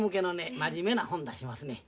真面目な本出しますねん。